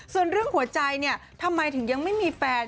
ส่วนเรื่องหัวใจเนี่ยทำไมถึงยังไม่มีแฟน